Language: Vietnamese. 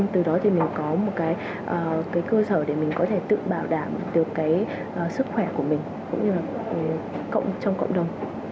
từ đó thì mình có một cái cơ sở để mình có thể tự bảo đảm được cái sức khỏe của mình cũng như là trong cộng đồng